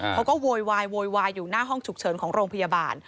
โวยวายโวยวายอยู่หน้าห้องฉุกเฉินของโรงพยาบาล